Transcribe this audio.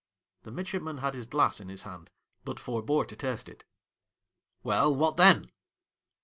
The midshipman had his glass in his hand, but forebore to taste it. —' Well, what then